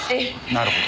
なるほど。